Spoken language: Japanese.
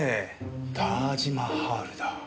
タージマハールだ。